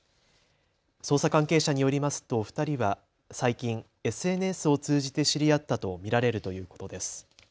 捜査関係者によりますと２人は最近ＳＮＳを通じて知り合ったと見られるということです。